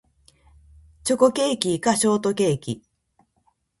チョコケーキかショートケーキ